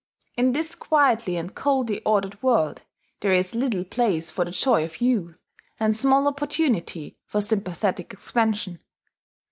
In this quietly and coldly ordered world there is little place for the joy of youth, and small opportunity for sympathetic expansion.